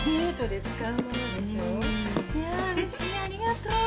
ありがとう。